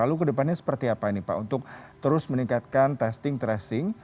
lalu kedepannya seperti apa ini pak untuk terus meningkatkan testing tracing